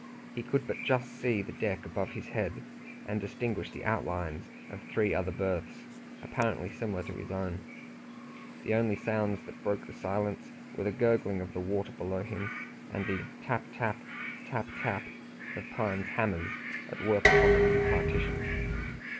He could but just see the deck above his head, and distinguish the outlines of three other berths, apparently similar to his own. The only sounds that broke the silence were the gurgling of the water below him, and the Tap tap, Tap tap, of Pine's hammers at work upon the new partition.